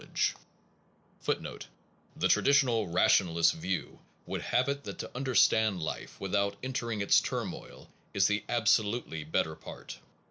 ED.] 3 The traditional rationalist view would have it that to understand life, without entering its turmoil, is the absolutely better part.